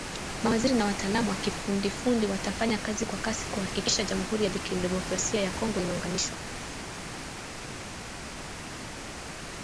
Mawaziri na wataalamu wa kiufundi watafanya kazi kwa kasi kuhakikisha Jamhuri ya kidemokrasia ya Kongo inaunganishwa.